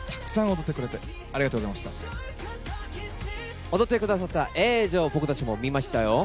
踊ってくださった映像を僕たちも見ましたよ。